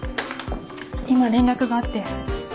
今連絡があって。